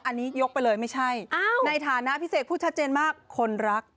อันนี้ยกไปเลยไม่ใช่ในฐานะพี่เสกพูดชัดเจนมากคนรัก